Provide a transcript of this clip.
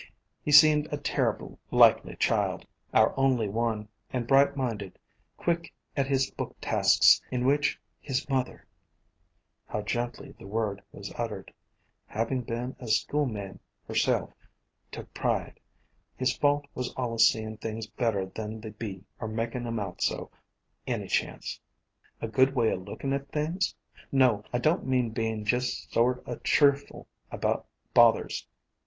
"He seemed a terrible likely child, C^T^ TAI4.4 Af4D J#* W# GDl^EH*00 A COMPOSITE FAMILY 257 our only one, and bright minded, quick at his book tasks, in which his mother" (how gently the word was uttered), "havin' been a school ma'am herself, took pride. His fault was allus seeing things better than they be, or makin' 'em out so, any chance. "A good way o' lookin' at things? No, I don't mean bein' jest sort o' cheerful about bothers.